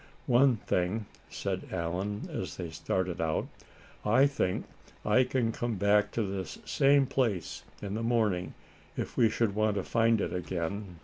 "One thing," said Allan, as they started out, "I think I can come back to this same place in the morning, if we should want to find it again."